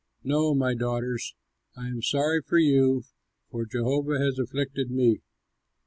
No, my daughters! I am sorry for you, for Jehovah has afflicted me."